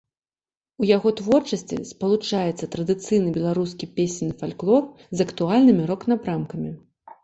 У яго творчасці спалучаюцца традыцыйны беларускі песенны фальклор з актуальнымі рок-напрамкамі.